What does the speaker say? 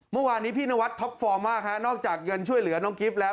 เมื่อวานนี้พี่นวัดท็อปฟอร์มมากฮะนอกจากเงินช่วยเหลือน้องกิฟต์แล้ว